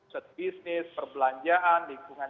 set bisnis perbelanjaan lingkungan